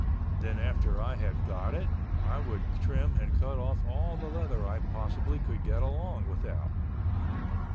Then after I had got it, I would trim and cut off all the leather I possibly could get along without.